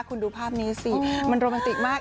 คุณดูภาพนี้สิมันโรแมนติกมาก